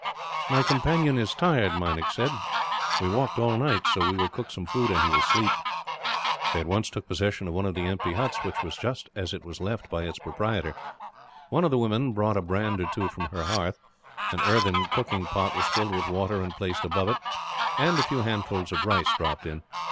"My companion is tired," he said. "We walked all night, so we will cook some food and he will sleep." They at once took possession of one of the empty huts, which was just as it was left by its proprietor. One of the women brought a brand or two from her hearth. An earthen cooking pot was filled with water and placed above it, and a few handfuls of rice dropped in.